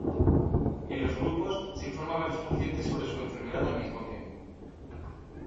En los grupos, se informa a varios pacientes sobre su enfermedad al mismo tiempo.